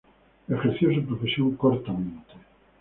Ejerció su profesión cortamente.